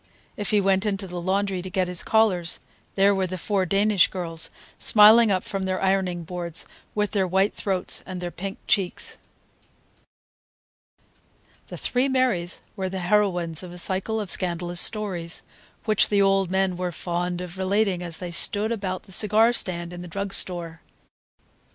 If he went into the laundry to get his collars, there were the four Danish girls, smiling up from their ironing boards, with their white throats and their pink cheeks. The three Marys were the heroines of a cycle of scandalous stories, which the old men were fond of relating as they sat about the cigar stand in the drug store.